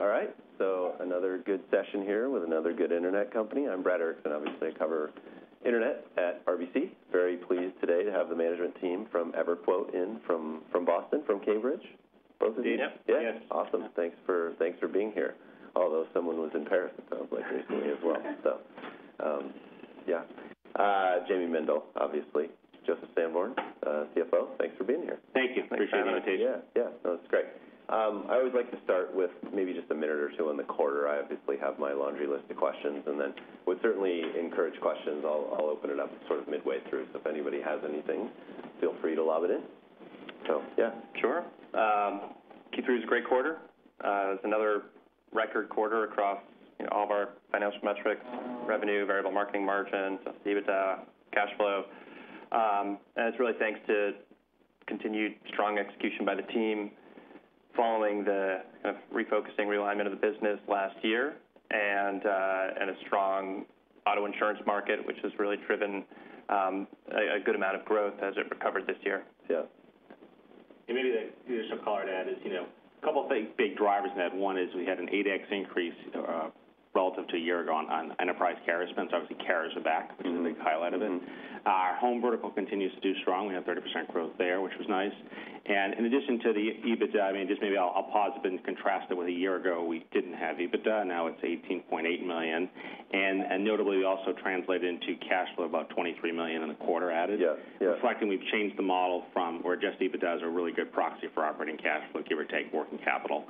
All right. Another good session here with another good internet company. I'm Brad Erickson, obviously. I cover internet at RBC. Very pleased today to have the management team from EverQuote in from Boston, from Cambridge. Both of you? Yep. Yes. Awesome. Thanks for being here. Although someone was in Paris, it sounds like, recently as well. So yeah. Jayme Mendal, obviously. Joseph Sanborn, CFO. Thanks for being here. Thank you. Appreciate the invitation. Yeah. Yeah. No, that's great. I always like to start with maybe just a minute or two in the quarter. I obviously have my laundry list of questions, and then we'd certainly encourage questions. I'll open it up sort of midway through, so if anybody has anything, feel free to lob it in, so yeah. Sure. Q3 is a great quarter. It's another record quarter across all of our financial metrics: revenue, variable marketing margins, EBITDA, cash flow, and it's really thanks to continued strong execution by the team following the kind of refocusing, realignment of the business last year and a strong auto insurance market, which has really driven a good amount of growth as it recovered this year. Yeah. And maybe I should call it out as a couple of big drivers in that. One is we had an 8x increase relative to a year ago on enterprise carrier spend. So obviously, carriers are back, which is a big highlight of it. Our home vertical continues to do strong. We have 30% growth there, which was nice. And in addition to the EBITDA, I mean, just maybe I'll pause and contrast it with a year ago. We didn't have EBITDA. Now it's $18.8 million. And notably, we also translated into cash flow about $23 million in the quarter added. Reflecting, we've changed the model from where just EBITDA is a really good proxy for operating cash flow, give or take, working capital.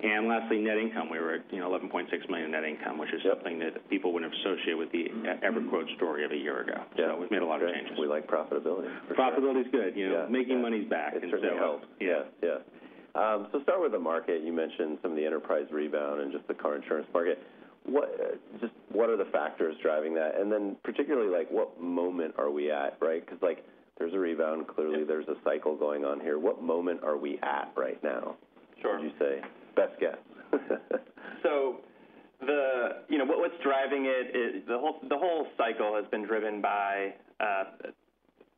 And lastly, net income. We were at $11.6 million net income, which is something that people wouldn't associate with the EverQuote story of a year ago. So we've made a lot of changes. We like profitability. Profitability is good. Making money's back in style. It's been very helpful. Yeah. Yeah. So start with the market. You mentioned some of the enterprise rebound and just the car insurance market. Just what are the factors driving that? And then particularly, what moment are we at, right? Because there's a rebound. Clearly, there's a cycle going on here. What moment are we at right now, would you say? Best guess. So what's driving it? The whole cycle has been driven by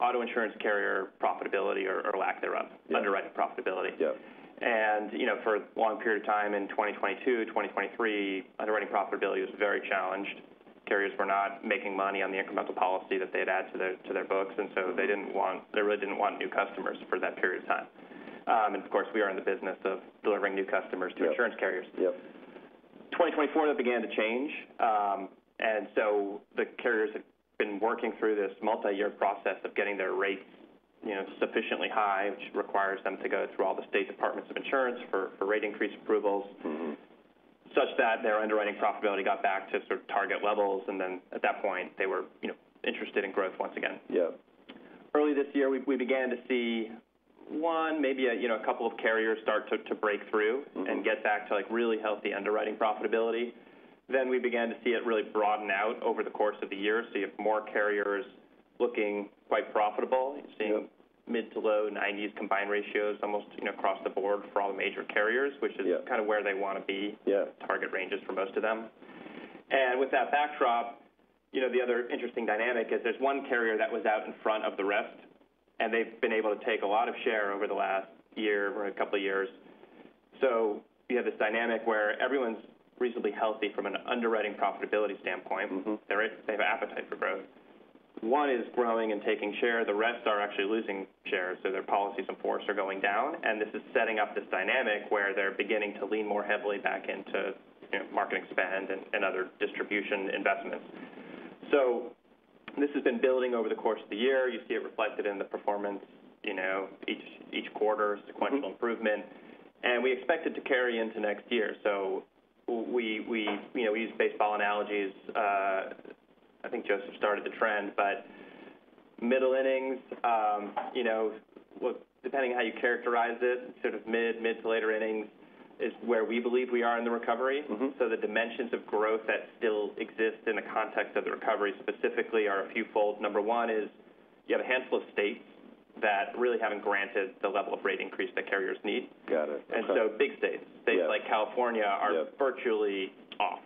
auto insurance carrier profitability or lack thereof, underwriting profitability. And for a long period of time in 2022, 2023, underwriting profitability was very challenged. Carriers were not making money on the incremental policy that they'd add to their books. And so they really didn't want new customers for that period of time. And of course, we are in the business of delivering new customers to insurance carriers. 2024, that began to change. And so the carriers have been working through this multi-year process of getting their rates sufficiently high, which requires them to go through all the state departments of insurance for rate increase approvals, such that their underwriting profitability got back to sort of target levels. And then at that point, they were interested in growth once again. Early this year, we began to see, one, maybe a couple of carriers start to break through and get back to really healthy underwriting profitability. Then we began to see it really broaden out over the course of the year. So you have more carriers looking quite profitable, seeing mid- to low-90s combined ratios almost across the board for all the major carriers, which is kind of where they want to be, target ranges for most of them. And with that backdrop, the other interesting dynamic is there's one carrier that was out in front of the rest, and they've been able to take a lot of share over the last year or a couple of years. So you have this dynamic where everyone's reasonably healthy from an underwriting profitability standpoint. They have appetite for growth. One is growing and taking share. The rest are actually losing share. So their policies in force are going down. And this is setting up this dynamic where they're beginning to lean more heavily back into marketing spend and other distribution investments. So this has been building over the course of the year. You see it reflected in the performance each quarter, sequential improvement. And we expect it to carry into next year. So we use baseball analogies. I think Joseph started the trend, but middle innings, depending on how you characterize it, sort of mid, mid to later innings is where we believe we are in the recovery. So the dimensions of growth that still exist in the context of the recovery specifically are a few fold. Number one is you have a handful of states that really haven't granted the level of rate increase that carriers need. And so big states, states like California are virtually off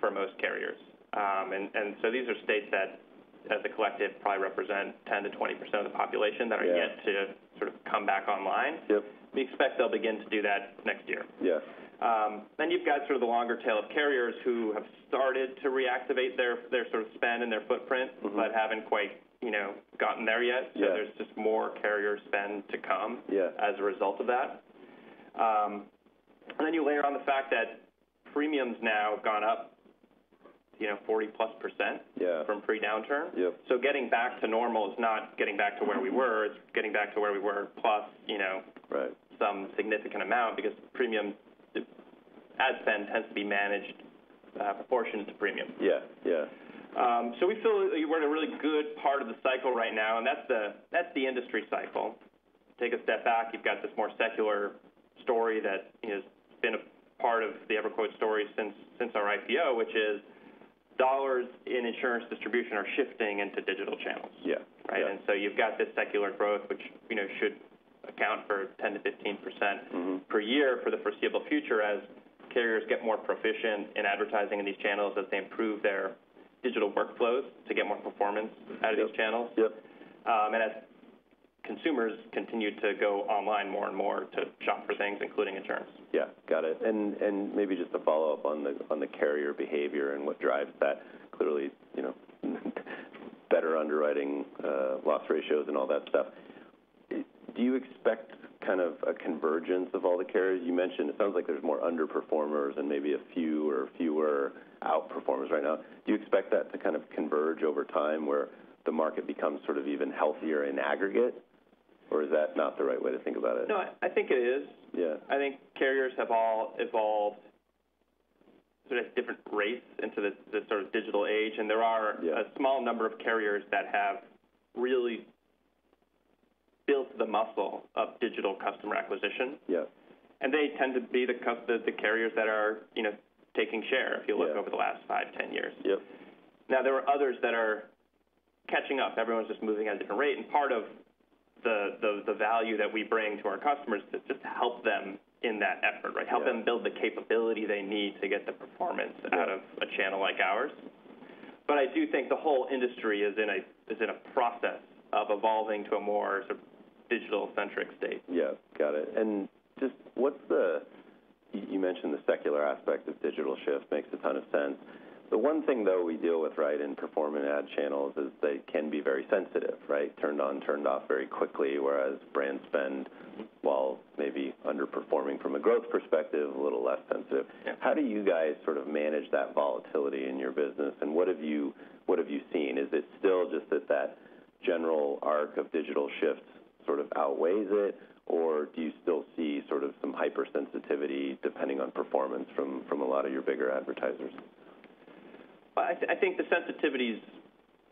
for most carriers. And so these are states that, as a collective, probably represent 10%-20% of the population that are yet to sort of come back online. We expect they'll begin to do that next year. Then you've got sort of the longer tail of carriers who have started to reactivate their sort of spend and their footprint but haven't quite gotten there yet. So there's just more carrier spend to come as a result of that. And then you layer on the fact that premiums now have gone up 40%+ from pre-downturn. So getting back to normal is not getting back to where we were. It's getting back to where we were plus some significant amount because premium ad spend tends to be managed proportionate to premium. So we feel we're in a really good part of the cycle right now. And that's the industry cycle. Take a step back. You've got this more secular story that has been a part of the EverQuote story since our IPO, which is dollars in insurance distribution are shifting into digital channels. Right? And so you've got this secular growth, which should account for 10%-15% per year for the foreseeable future as carriers get more proficient in advertising in these channels as they improve their digital workflows to get more performance out of these channels. And as consumers continue to go online more and more to shop for things, including insurance. Yeah. Got it. And maybe just to follow up on the carrier behavior and what drives that, clearly, better underwriting loss ratios and all that stuff. Do you expect kind of a convergence of all the carriers? You mentioned it sounds like there's more underperformers and maybe a few or fewer outperformers right now. Do you expect that to kind of converge over time where the market becomes sort of even healthier in aggregate? Or is that not the right way to think about it? No, I think it is. I think carriers have all evolved sort of different rates into this sort of digital age. And there are a small number of carriers that have really built the muscle of digital customer acquisition. And they tend to be the carriers that are taking share, if you look, over the last five, 10 years. Now, there are others that are catching up. Everyone's just moving at a different rate. And part of the value that we bring to our customers is just to help them in that effort, right? Help them build the capability they need to get the performance out of a channel like ours. But I do think the whole industry is in a process of evolving to a more sort of digital-centric state. Yeah. Got it. And just what's the—you mentioned the secular aspect of digital shift makes a ton of sense. The one thing, though, we deal with, right, in performing ad channels is they can be very sensitive, right? Turned on, turned off very quickly, whereas brand spend, while maybe underperforming from a growth perspective, a little less sensitive. How do you guys sort of manage that volatility in your business? And what have you seen? Is it still just that that general arc of digital shift sort of outweighs it? Or do you still see sort of some hypersensitivity depending on performance from a lot of your bigger advertisers? I think the sensitivity is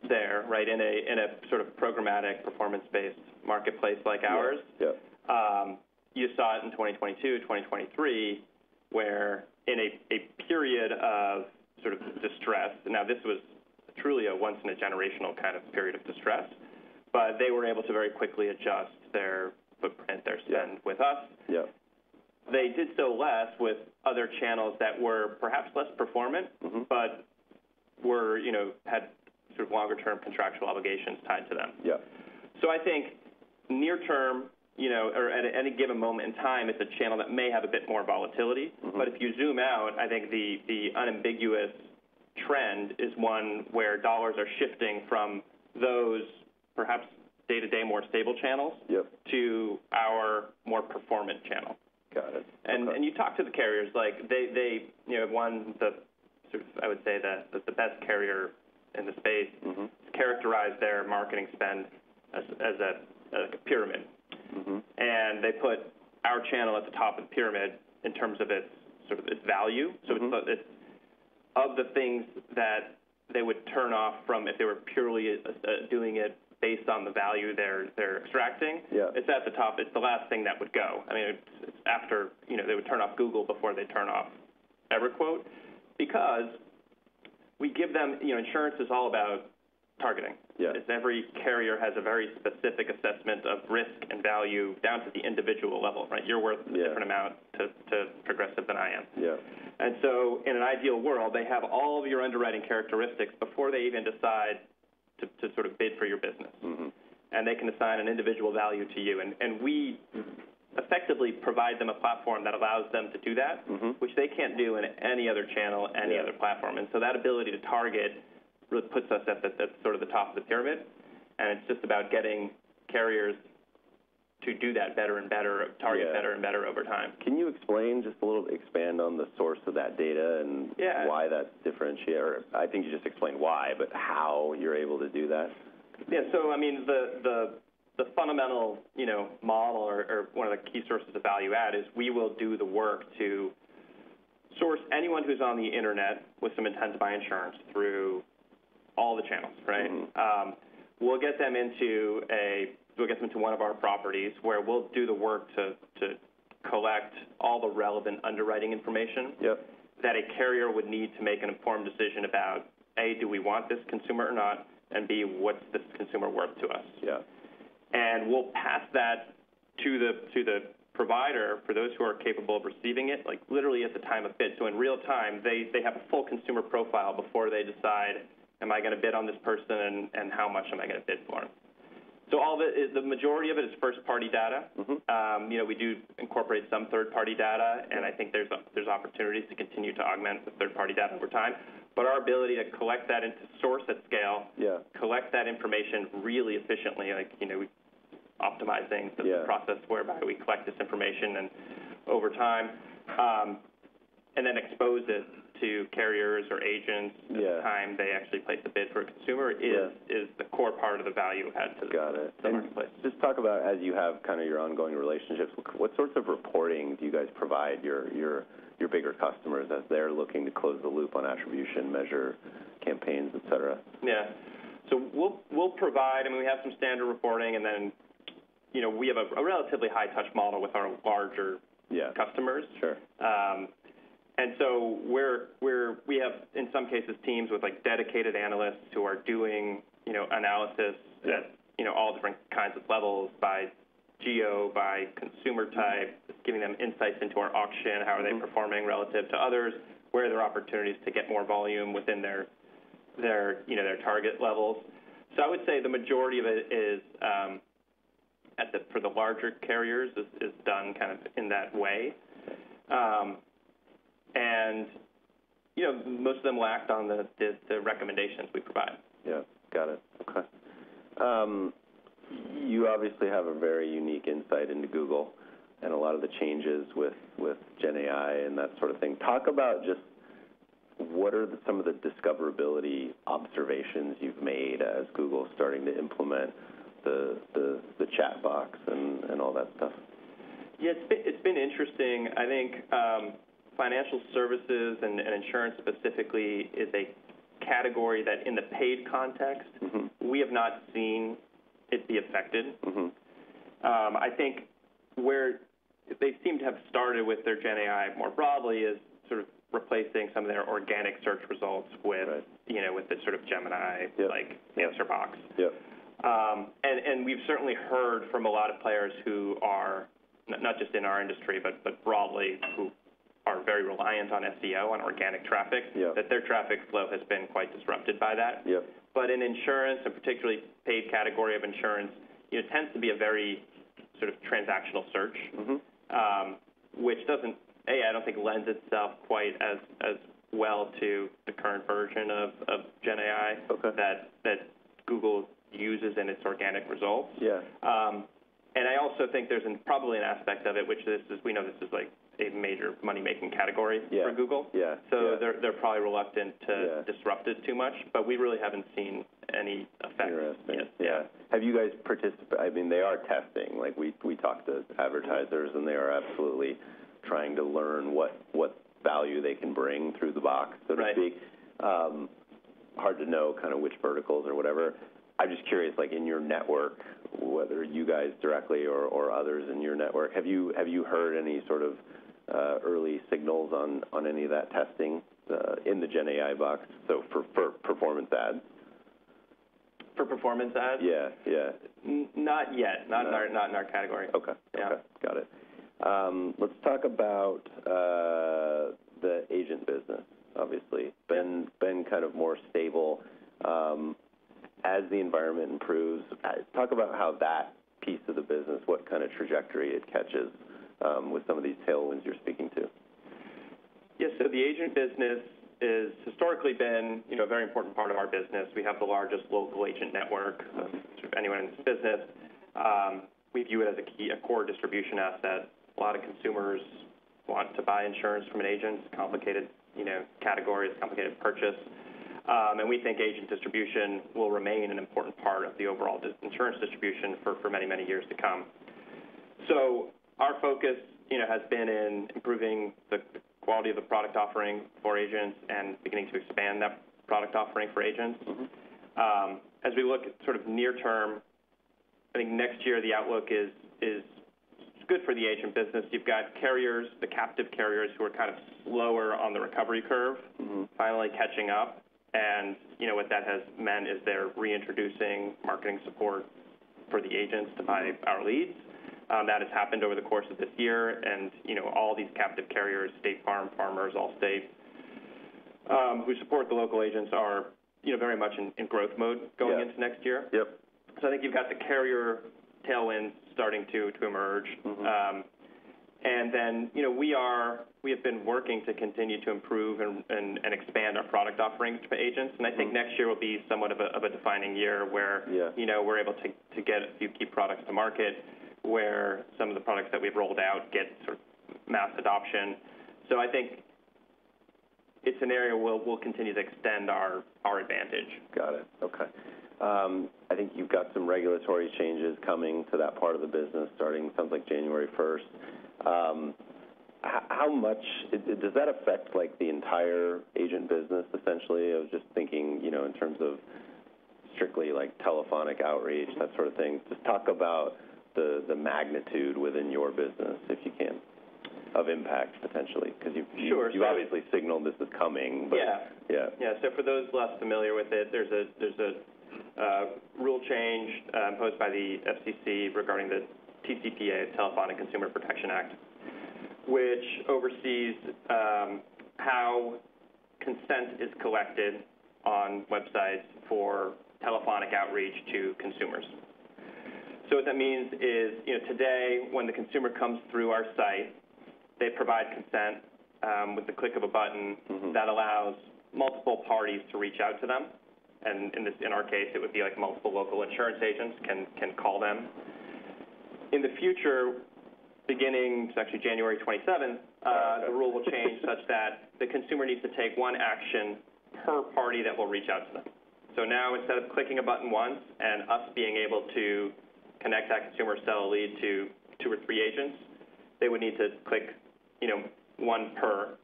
there, right, in a sort of programmatic performance-based marketplace like ours. You saw it in 2022, 2023, where in a period of sort of distress, and now this was truly a once-in-a-generational kind of period of distress, but they were able to very quickly adjust their footprint, their spend with us. They did so less with other channels that were perhaps less performant but had sort of longer-term contractual obligations tied to them. So I think near-term or at any given moment in time, it is a channel that may have a bit more volatility. But if you zoom out, I think the unambiguous trend is one where dollars are shifting from those perhaps day-to-day more stable channels to our more performant channel. And you talk to the carriers, they have one that sort of, I would say, that is the best carrier in the space. It's characterized their marketing spend as a pyramid, and they put our channel at the top of the pyramid in terms of its sort of value, so it's of the things that they would turn off from if they were purely doing it based on the value they're extracting, it's at the top. It's the last thing that would go. I mean, after they would turn off Google before they turn off EverQuote because we give them insurance is all about targeting. Every carrier has a very specific assessment of risk and value down to the individual level, right? You're worth a different amount to Progressive than I am, and so in an ideal world, they have all of your underwriting characteristics before they even decide to sort of bid for your business, and they can assign an individual value to you. We effectively provide them a platform that allows them to do that, which they can't do in any other channel, any other platform. That ability to target really puts us at sort of the top of the pyramid. It's just about getting carriers to do that better and better, target better and better over time. Can you explain just a little bit, expand on the source of that data and why that differentiates? Or, I think you just explained why, but how you're able to do that. Yeah. So I mean, the fundamental model or one of the key sources of value add is we will do the work to source anyone who's on the internet with some intent to buy insurance through all the channels, right? We'll get them into one of our properties where we'll do the work to collect all the relevant underwriting information that a carrier would need to make an informed decision about, A, do we want this consumer or not? And B, what's this consumer worth to us? And we'll pass that to the provider for those who are capable of receiving it literally at the time of bid. So in real time, they have a full consumer profile before they decide, "Am I going to bid on this person? And how much am I going to bid for?" So the majority of it is first-party data. We do incorporate some third-party data, and I think there's opportunities to continue to augment the third-party data over time, but our ability to collect that in source at scale, collect that information really efficiently, like optimizing the process whereby we collect this information over time and then expose it to carriers or agents at the time they actually place a bid for a consumer, is the core part of the value add to the marketplace. Got it. Just talk about as you have kind of your ongoing relationships. What sorts of reporting do you guys provide your bigger customers as they're looking to close the loop on attribution measure campaigns, etc.? Yeah. We'll provide. I mean, we have some standard reporting. Then we have a relatively high-touch model with our larger customers. So we have, in some cases, teams with dedicated analysts who are doing analysis at all different kinds of levels by geo, by consumer type, giving them insights into our auction, how are they performing relative to others, where are there opportunities to get more volume within their target levels. I would say the majority of it, for the larger carriers, is done kind of in that way. Most of them act on the recommendations we provide. Yeah. Got it. Okay. You obviously have a very unique insight into Google and a lot of the changes with GenAI and that sort of thing. Talk about just what are some of the discoverability observations you've made as Google is starting to implement the chat box and all that stuff? Yeah. It's been interesting. I think financial services and insurance specifically is a category that in the paid context, we have not seen it be affected. I think where they seem to have started with their GenAI more broadly is sort of replacing some of their organic search results with the sort of Gemini-like answer box, and we've certainly heard from a lot of players who are not just in our industry, but broadly who are very reliant on SEO, on organic traffic, that their traffic flow has been quite disrupted by that, but in insurance, and particularly paid category of insurance, it tends to be a very sort of transactional search, which doesn't, I don't think lends itself quite as well to the current version of GenAI that Google uses in its organic results. And I also think there's probably an aspect of it, which we know this is a major money-making category for Google. So they're probably reluctant to disrupt it too much. But we really haven't seen any effect. Interesting. Yeah. Have you guys participated? I mean, they are testing. We talk to advertisers, and they are absolutely trying to learn what value they can bring through the box, so to speak. Hard to know kind of which verticals or whatever. I'm just curious, in your network, whether you guys directly or others in your network, have you heard any sort of early signals on any of that testing in the GenAI box, so for performance ads? For performance ads? Yeah. Yeah. Not yet. Not in our category. Okay. Okay. Got it. Let's talk about the agent business, obviously. Been kind of more stable as the environment improves. Talk about how that piece of the business, what kind of trajectory it catches with some of these tailwinds you're speaking to. Yeah. So the agent business has historically been a very important part of our business. We have the largest local agent network of sort of anyone in this business. We view it as a core distribution asset. A lot of consumers want to buy insurance from an agent. It's a complicated category. It's a complicated purchase. And we think agent distribution will remain an important part of the overall insurance distribution for many, many years to come. So our focus has been in improving the quality of the product offering for agents and beginning to expand that product offering for agents. As we look at sort of near term, I think next year, the outlook is good for the agent business. You've got carriers, the captive carriers, who are kind of lower on the recovery curve, finally catching up. And what that has meant is they're reintroducing marketing support for the agents to buy our leads. That has happened over the course of this year. And all these captive carriers, State Farm, Farmers, Allstate, who support the local agents, are very much in growth mode going into next year. So I think you've got the carrier tailwinds starting to emerge. And then we have been working to continue to improve and expand our product offerings to agents. And I think next year will be somewhat of a defining year where we're able to get a few key products to market, where some of the products that we've rolled out get sort of mass adoption. So I think it's an area where we'll continue to extend our advantage. Got it. Okay. I think you've got some regulatory changes coming to that part of the business starting, it sounds like, January 1st. How much does that affect the entire agent business, essentially, of just thinking in terms of strictly telephonic outreach, that sort of thing? Just talk about the magnitude within your business, if you can, of impact, potentially. Because you've obviously signaled this is coming, but. Yeah. Yeah. So for those less familiar with it, there's a rule change imposed by the FCC regarding the TCPA, Telephone Consumer Protection Act, which oversees how consent is collected on websites for telephonic outreach to consumers. So what that means is today, when the consumer comes through our site, they provide consent with the click of a button that allows multiple parties to reach out to them. And in our case, it would be multiple local insurance agents can call them. In the future, beginning, it's actually January 27th, the rule will change such that the consumer needs to take one action per party that will reach out to them. So now, instead of clicking a button once and us being able to connect that consumer seller lead to two or three agents, they would need to click one per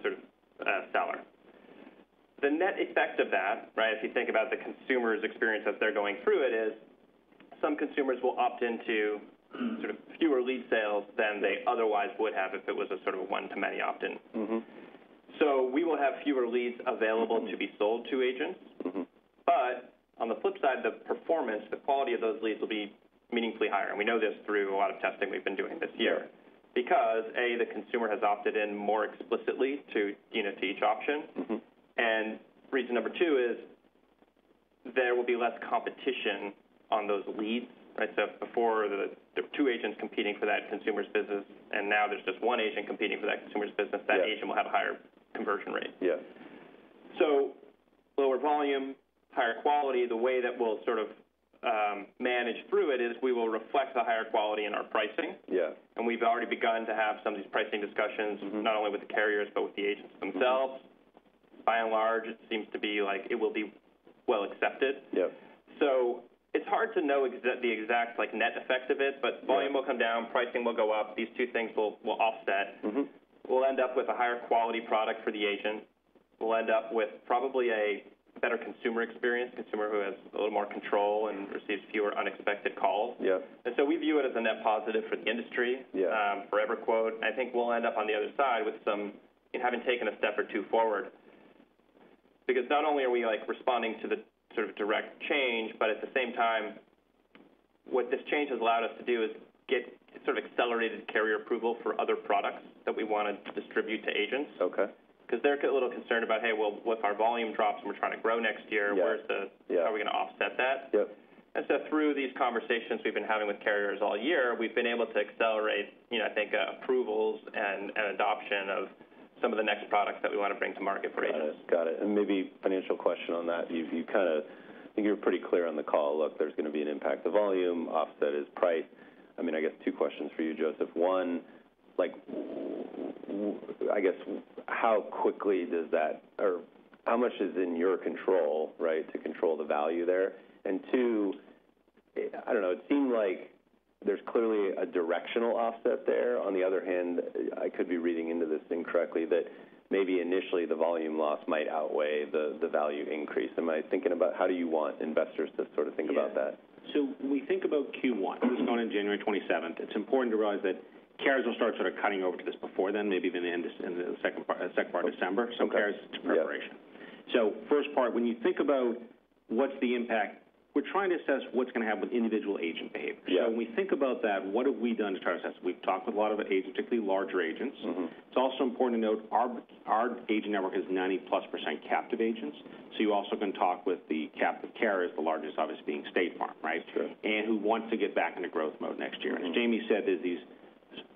sort of seller. The net effect of that, right, if you think about the consumer's experience as they're going through it, is some consumers will opt into sort of fewer lead sales than they otherwise would have if it was a sort of one-to-many opt-in. So we will have fewer leads available to be sold to agents. But on the flip side, the performance, the quality of those leads will be meaningfully higher. And we know this through a lot of testing we've been doing this year because, A, the consumer has opted in more explicitly to each option. And reason number two is there will be less competition on those leads, right? So before, there were two agents competing for that consumer's business. And now there's just one agent competing for that consumer's business. That agent will have a higher conversion rate. So lower volume, higher quality. The way that we'll sort of manage through it is we will reflect the higher quality in our pricing. And we've already begun to have some of these pricing discussions not only with the carriers but with the agents themselves. By and large, it seems to be like it will be well accepted. So it's hard to know the exact net effect of it. But volume will come down. Pricing will go up. These two things will offset. We'll end up with a higher quality product for the agent. We'll end up with probably a better consumer experience, a consumer who has a little more control and receives fewer unexpected calls. And so we view it as a net positive for the industry, for EverQuote. I think we'll end up on the other side with some having taken a step or two forward because not only are we responding to the sort of direct change, but at the same time, what this change has allowed us to do is get sort of accelerated carrier approval for other products that we want to distribute to agents because they're a little concerned about, "Hey, well, if our volume drops and we're trying to grow next year, how are we going to offset that?" And so through these conversations we've been having with carriers all year, we've been able to accelerate, I think, approvals and adoption of some of the next products that we want to bring to market for agents. Got it. Got it. And maybe a financial question on that. I think you were pretty clear on the call. Look, there's going to be an impact to volume. Offset is price. I mean, I guess two questions for you, Joseph. One, I guess, how quickly does that or how much is in your control, right, to control the value there? And two, I don't know. It seemed like there's clearly a directional offset there. On the other hand, I could be reading into this incorrectly, that maybe initially, the volume loss might outweigh the value increase. Am I thinking about how do you want investors to sort of think about that? So we think about Q1. This is going on January 27th. It's important to realize that carriers will start sort of cutting over to this before then, maybe even in the second part of December. So carriers to preparation. So first part, when you think about what's the impact, we're trying to assess what's going to happen with individual agent behavior. So when we think about that, what have we done to try to assess? We've talked with a lot of agents, particularly larger agents. It's also important to note our agent network is 90%+ captive agents. So you also can talk with the captive carriers, the largest, obviously, being State Farm, right, and who want to get back into growth mode next year. As Jayme said, there's this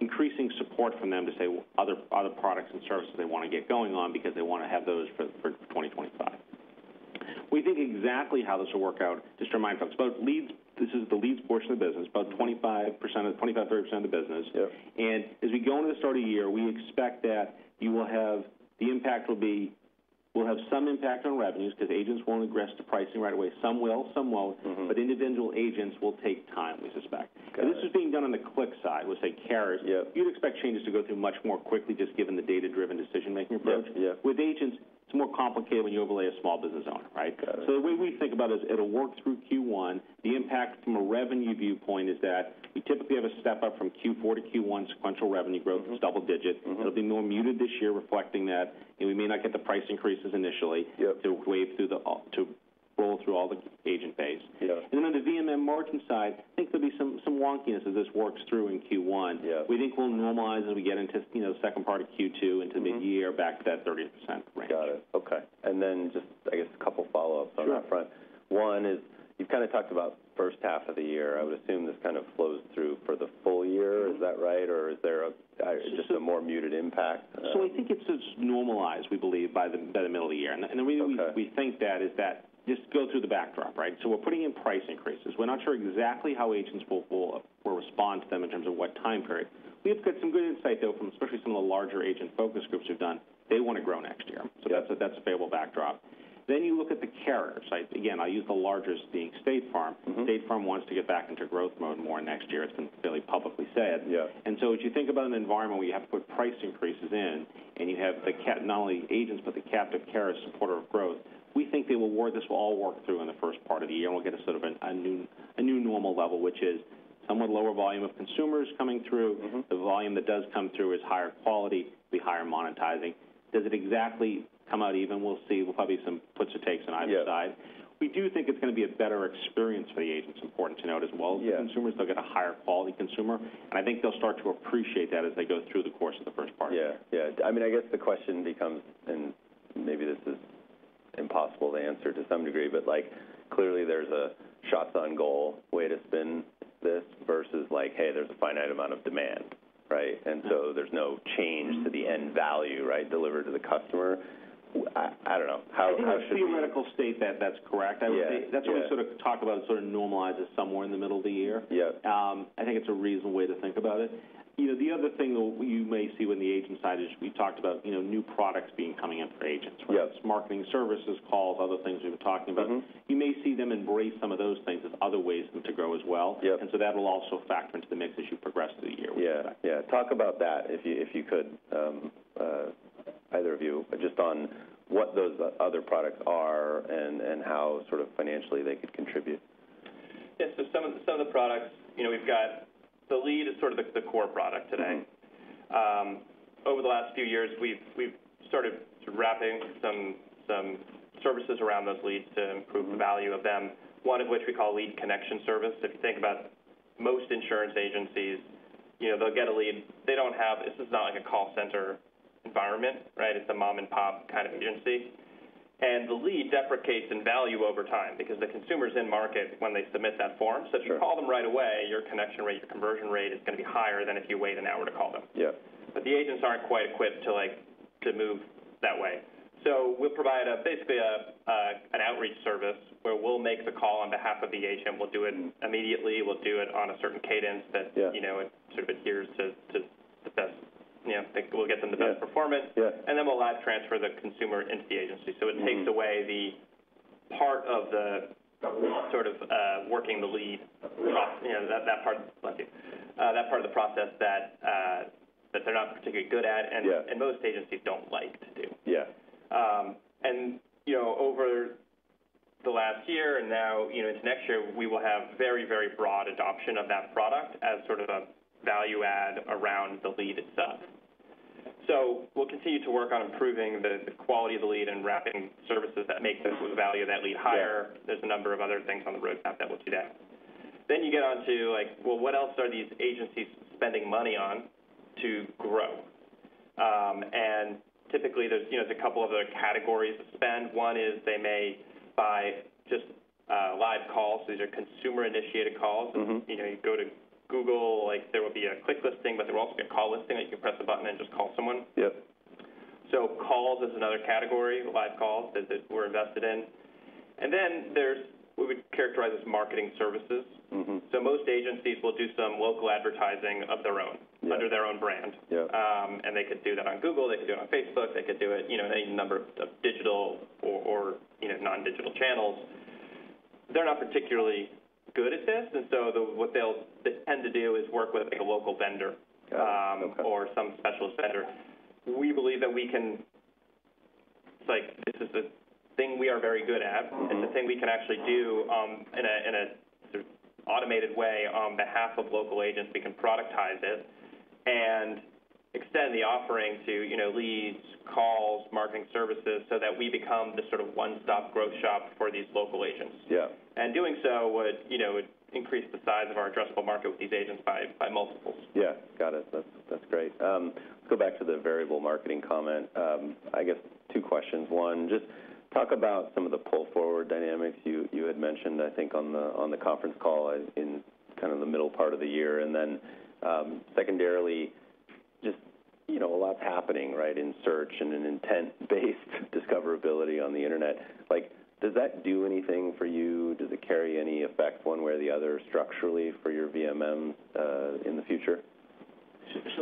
increasing support from them to say other products and services they want to get going on because they want to have those for 2025. We think exactly how this will work out to streamline folks. This is the leads portion of the business, about 25%-30% of the business. As we go into the start of the year, we expect that the impact will be we'll have some impact on revenues because agents won't agree to pricing right away. Some will, some won't. But individual agents will take time, we suspect. And this is being done on the click side. We'll say carriers. You'd expect changes to go through much more quickly just given the data-driven decision-making approach. With agents, it's more complicated when you overlay a small business owner, right? So the way we think about it is it'll work through Q1. The impact from a revenue viewpoint is that we typically have a step up from Q4 to Q1, sequential revenue growth. It's double-digit. It'll be more muted this year, reflecting that. And we may not get the price increases initially to roll through all the agent base. And then on the VMM margin side, I think there'll be some wonkiness as this works through in Q1. We think we'll normalize as we get into the second part of Q2 into mid-year, back to that 30% range. Got it. Okay. And then just, I guess, a couple of follow-ups on that front. One is you've kind of talked about first half of the year. I would assume this kind of flows through for the full year. Is that right? Or is there just a more muted impact? I think it's normalized, we believe, by the middle of the year. The reason we think that is that just go through the backdrop, right? We're putting in price increases. We're not sure exactly how agents will respond to them in terms of what time period. We've got some good insight, though, from especially some of the larger agent focus groups we've done. They want to grow next year. That's a favorable backdrop. Then you look at the carrier side. Again, I'll use the largest being State Farm. State Farm wants to get back into growth mode more next year. It's been fairly publicly said. So as you think about an environment where you have to put price increases in and you have not only agents but the captive carriers' support of growth, we think this will all work through in the first part of the year. We'll get a sort of a new normal level, which is somewhat lower volume of consumers coming through. The volume that does come through is higher quality, will be higher monetizing. Does it exactly come out even? We'll see. We'll probably have some puts or takes on either side. We do think it's going to be a better experience for the agents. Important to note as well. The agents, they'll get higher quality consumers. I think they'll start to appreciate that as they go through the course of the first part of the year. Yeah. Yeah. I mean, I guess the question becomes - and maybe this is impossible to answer to some degree - but clearly, there's a shots-on-goal way to spin this versus, "Hey, there's a finite amount of demand," right? And so there's no change to the end value, right, delivered to the customer. I don't know. How should we? There's a theoretical state that that's correct, I would say. That's what we sort of talk about. It sort of normalizes somewhere in the middle of the year. I think it's a reasonable way to think about it. The other thing that you may see on the agent side is we talked about new products being coming in for agents, right? It's marketing services, calls, other things we've been talking about. You may see them embrace some of those things as other ways to grow as well. And so that'll also factor into the mix as you progress through the year. Yeah. Yeah. Talk about that, if you could, either of you, just on what those other products are and how sort of financially they could contribute? Yeah, so some of the products we've got, the lead is sort of the core product today. Over the last few years, we've started wrapping some services around those leads to improve the value of them, one of which we call Lead Connection Service. If you think about most insurance agencies, they'll get a lead. This is not like a call center environment, right? It's a mom-and-pop kind of agency, and the lead depreciates in value over time because the consumer's in market when they submit that form. So if you call them right away, your connection rate, your conversion rate is going to be higher than if you wait an hour to call them. But the agents aren't quite equipped to move that way, so we'll provide basically an outreach service where we'll make the call on behalf of the agent. We'll do it immediately. We'll do it on a certain cadence that sort of adheres to the best we'll get them the best performance, and then we'll live transfer the consumer into the agency, so it takes away the part of the sort of working the lead, that part of the process that they're not particularly good at and most agencies don't like to do, and over the last year and now into next year, we will have very, very broad adoption of that product as sort of a value add around the lead itself, so we'll continue to work on improving the quality of the lead and wrapping services that make the value of that lead higher. There's a number of other things on the roadmap that we'll do that. Then you get onto, "Well, what else are these agencies spending money on to grow?" And typically, there's a couple of other categories of spend. One is they may buy just live calls. These are consumer-initiated calls. You go to Google, there will be a click listing, but there will also be a call listing that you can press a button and just call someone. So calls is another category, live calls that we're invested in. And then we would characterize as marketing services. So most agencies will do some local advertising of their own under their own brand. And they could do that on Google. They could do it on Facebook. They could do it in any number of digital or non-digital channels. They're not particularly good at this. And so what they'll tend to do is work with a local vendor or some specialist vendor. We believe that we can. It's like this is a thing we are very good at. It's a thing we can actually do in an automated way on behalf of local agents. We can productize it and extend the offering to leads, calls, marketing services so that we become the sort of one-stop growth shop for these local agents, and doing so would increase the size of our addressable market with these agents by multiples. Yeah. Got it. That's great. Let's go back to the variable marketing comment. I guess two questions. One, just talk about some of the pull-forward dynamics you had mentioned, I think, on the conference call in kind of the middle part of the year. And then secondarily, just a lot's happening, right, in search and in intent-based discoverability on the internet. Does that do anything for you? Does it carry any effect one way or the other structurally for your VMM in the future?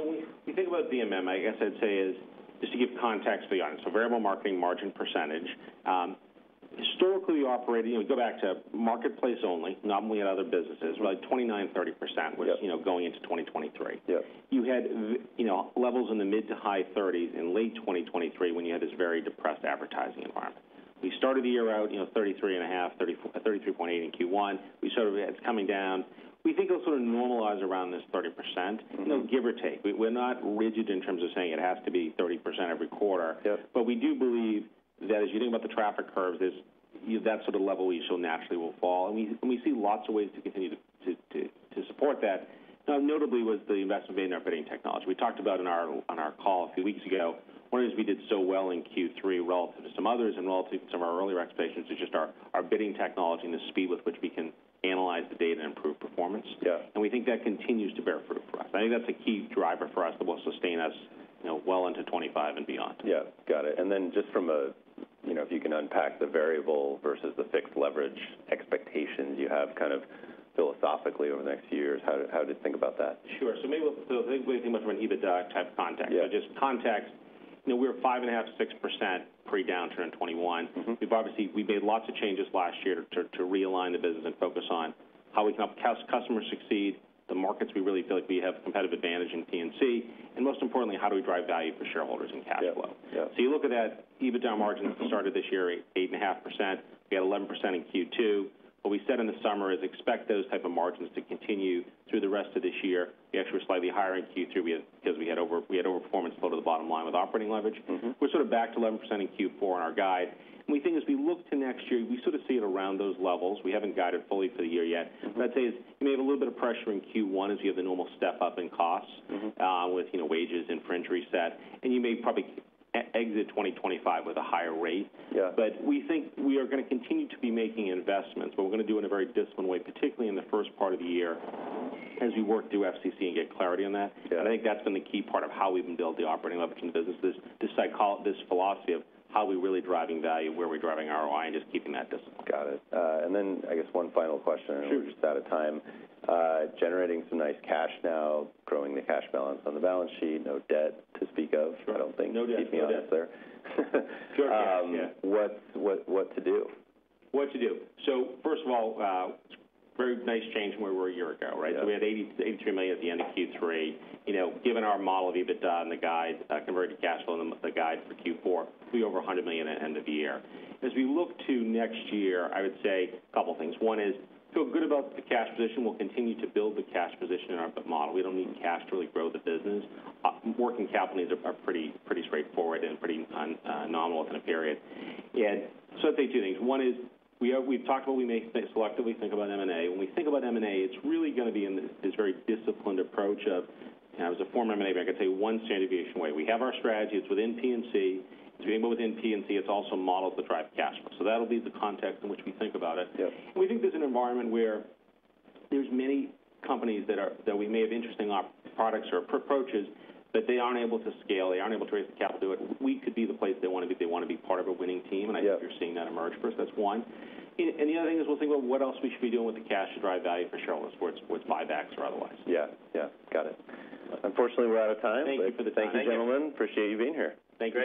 When you think about VMM, I guess I'd say is just to give context beyond. Variable marketing margin percentage, historically operating, we go back to marketplace only, not only at other businesses, like 29%-30% was going into 2023. You had levels in the mid- to high 30s in late 2023 when you had this very depressed advertising environment. We started the year out 33.5%-33.8% in Q1. We sort of had it coming down. We think it'll sort of normalize around this 30%, give or take. We're not rigid in terms of saying it has to be 30% every quarter. But we do believe that as you think about the traffic curves, that's sort of the level we still naturally will fall, and we see lots of ways to continue to support that. Notably, with the investment in bidding and bidding technology, we talked about on our call a few weeks ago. One is we did so well in Q3 relative to some others and relative to some of our earlier expectations is just our bidding technology and the speed with which we can analyze the data and improve performance. And we think that continues to bear fruit for us. I think that's a key driver for us that will sustain us well into 2025 and beyond. Yeah. Got it. And then just from a, if you can unpack the variable versus the fixed leverage expectations you have kind of philosophically over the next few years, how to think about that? Sure. So maybe we'll think about it in a little bit more of an EBITDA type of context. So just context, we're 5.5%-6% pre-downturn in 2021. We've made lots of changes last year to realign the business and focus on how we can help customers succeed, the markets we really feel like we have a competitive advantage in P&C, and most importantly, how do we drive value for shareholders and cash flow? So you look at that EBITDA margin at the start of this year, 8.5%. We had 11% in Q2. What we said in the summer is expect those types of margins to continue through the rest of this year. We actually were slightly higher in Q3 because we had overperformance flow to the bottom line with operating leverage. We're sort of back to 11% in Q4 on our guide. We think as we look to next year, we sort of see it around those levels. We haven't guided fully for the year yet. I'd say you may have a little bit of pressure in Q1 as we have the normal step-up in costs with wages, inflationary pressures. You may probably exit 2025 with a higher rate. We think we are going to continue to be making investments, but we're going to do it in a very disciplined way, particularly in the first part of the year as we work through FCC and get clarity on that. I think that's been the key part of how we've been building the operating leverage in business, this philosophy of how are we really driving value, where are we driving ROI, and just keeping that discipline. Got it and then, I guess, one final question. We're just out of time. Generating some nice cash now, growing the cash balance on the balance sheet, no debt to speak of. I don't think. No debt. No debt. Keep me honest there. Joseph asked you. What to do? What to do? So first of all, very nice change from where we were a year ago, right? So we had $83 million at the end of Q3. Given our model of EBITDA and the guide, converted to cash flow and the guide for Q4, we over $100 million at the end of the year. As we look to next year, I would say a couple of things. One is feel good about the cash position. We'll continue to build the cash position in our model. We don't need cash to really grow the business. Working capital needs are pretty straightforward and pretty nominal within a period. And so I'd say two things. One is we've talked about we may selectively think about M&A. When we think about M&A, it's really going to be in this very disciplined approach of, as a former M&A banker, I'd say one standard deviation away. We have our strategy. It's within P&C. It's being built within P&C. It's also models that drive cash flow, so that'll be the context in which we think about it, and we think there's an environment where there's many companies that we may have interesting products or approaches, but they aren't able to scale. They aren't able to raise the capital to do it. We could be the place they want to be. They want to be part of a winning team, and I think you're seeing that emerge for us. That's one, and the other thing is we'll think about what else we should be doing with the cash to drive value for shareholders towards buybacks or otherwise. Yeah. Yeah. Got it. Unfortunately, we're out of time. Thank you for the time, gentlemen. Thank you. Appreciate you being here. Thank you.